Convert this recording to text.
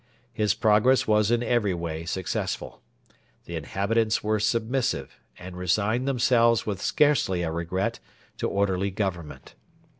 His progress was in every way successful. The inhabitants were submissive, and resigned themselves with scarcely a regret to orderly government.